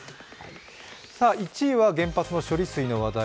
１位は原発の処理水の問題。